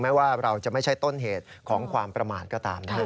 ว่าเราจะไม่ใช่ต้นเหตุของความประมาทก็ตามนะครับ